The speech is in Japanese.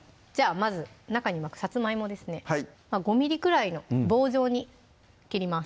まず中に巻くさつまいもですね５ｍｍくらいの棒状に切ります